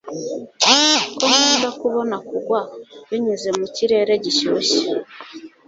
ko nkunda kubona kugwa, binyuze mu kirere gishyushye